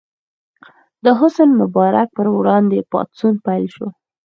د حسن مبارک پر وړاندې پاڅون پیل شو.